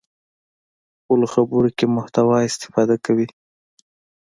خپلو خبرو کې محتوا استفاده کوي.